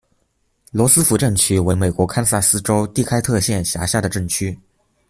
罗斯福镇区为美国堪萨斯州第开特县辖下的镇区。